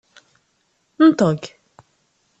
Nṭeg!